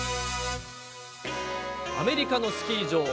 アメリカのスキー場。